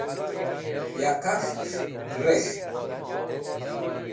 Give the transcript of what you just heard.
ya kas̃h'es̃h res̃ht